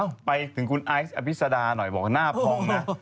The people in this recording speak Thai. ไปถึงคุณไอซ์อภิษดาหน่อยบอกว่าหน้าพองนะ